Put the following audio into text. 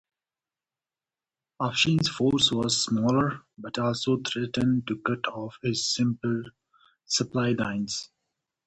Afshin's force was smaller, but also threatened to cut off his supply lines.